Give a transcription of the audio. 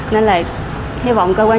nên là hi vọng cơ quan chức năng